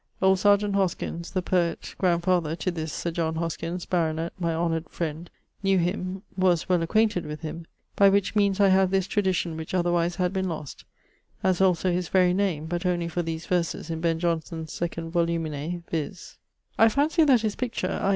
Old Serjeant Hoskins (the poet, grandfather to this Sir John Hoskins, baronet, my honᵈ friend) knew him (was well acquainted with him), by which meanes I have this tradicion which otherwise had been lost; as also his very name, but only for these verses[FE] in Ben Johnson's 2d volumine, viz.: I fancy that his picture, i.